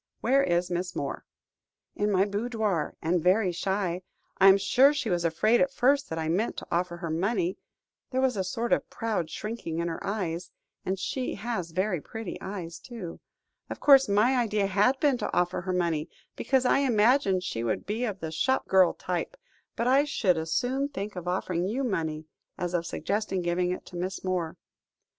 Where is Miss Moore?" "In my boudoir, and very shy. I am sure she was afraid at first that I meant to offer her money, there was a sort of proud shrinking in her eyes and she has very pretty eyes, too. Of course, my idea had been to offer her money, because I imagined she would be of the shop girl type, but I should as soon think of offering you money, as of suggesting giving it to Miss Moore."